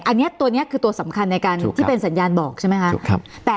อันนี้ตัวนี้คือตัวสำคัญในการที่เป็นสัญญาณบอกใช่ไหมคะ